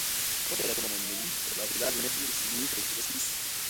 Post la Dua mondmilito la vilaĝo ne plu signife kreskis.